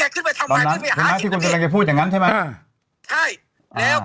เพราะลองที่เป็นคนพูดอย่างงั้นใช่ไหม